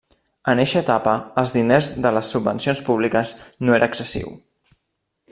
En eixa etapa, els diners de les subvencions públiques no era excessiu.